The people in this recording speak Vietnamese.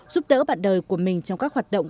giúp đỡ bạn đời của mình trong các hoạt động